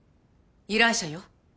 依頼者よ。